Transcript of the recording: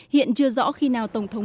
hiện chưa rõ khi nào tổng thống